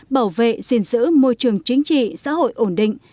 bảo vệ giữ môi trường chính trị xã hội ổn định